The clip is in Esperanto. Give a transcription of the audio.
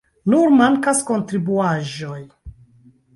Nur mankas kontribuaĵoj.